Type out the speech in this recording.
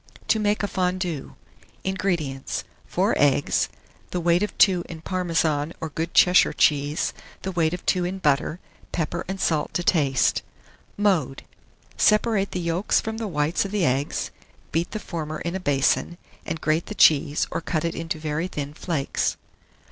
TO MAKE A FONDUE. 1643. INGREDIENTS. 4 eggs, the weight of 2 in Parmesan or good Cheshire cheese, the weight of 2 in butter; pepper and salt to taste. Mode. Separate the yolks from the whites of the eggs; beat the former in a basin, and grate the cheese, or cut it into very thin flakes.